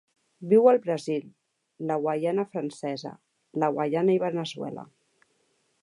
Viu al Brasil, la Guaiana Francesa, la Guaiana i Veneçuela.